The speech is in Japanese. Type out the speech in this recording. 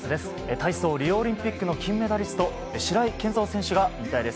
体操リオオリンピックの金メダリスト白井健三選手が引退です。